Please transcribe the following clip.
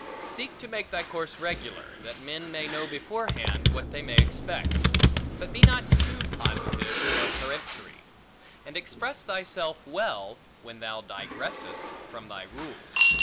Seek to make thy course regular, that men may know beforehand, what they may expect; but be not too positive and peremptory; and express thyself well, when thou digressest from thy rule.